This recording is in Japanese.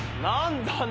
何だ？